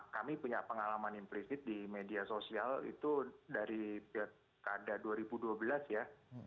kami punya pengalaman implisit di media sosial itu dari kada dua ribu dua belas ya